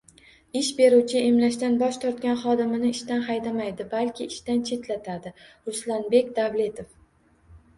“Ish beruvchi emlashdan bosh tortgan xodimni ishdan haydamaydi, balki ishdan chetlatadi” – Ruslanbek Davletov